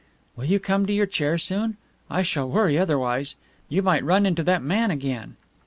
"Will you come to your chair soon? I shall worry otherwise. You might run into that man again."